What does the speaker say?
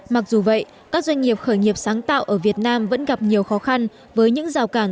mặc dù vậy các doanh nghiệp khởi nghiệp sáng tạo ở việt nam vẫn gặp nhiều khó khăn với những rào cản